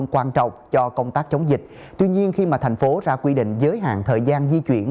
quan trọng cho công tác chống dịch tuy nhiên khi tp hcm ra quy định giới hạn thời gian di chuyển